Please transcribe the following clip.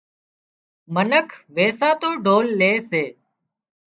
منک ويساتو ڍول لي سي